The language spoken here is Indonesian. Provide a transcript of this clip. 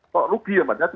kok rugi ya pak